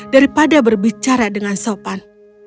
daripada berbicara dengan sopan